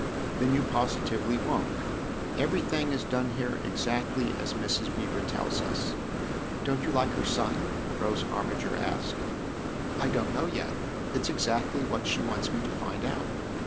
" Then you positively won't. Everything is done here exactly as Mrs. Beever tells us. Don't you like her son ?" Rose Armiger asked. " I don't know yet ; it's exactly what she wants me to find out."